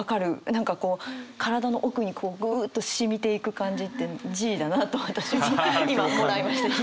何かこう体の奥にぐっと染みていく感じってＧだなと今もらいましてＧ。